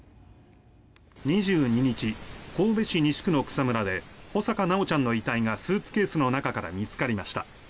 ２２日神戸市西区の草むらで穂坂修ちゃんの遺体がスーツケースの中から見つかりました。